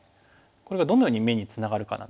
これがどのように眼につながるかなんですけども。